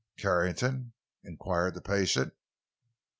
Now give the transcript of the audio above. "Carrington?" inquired the patient.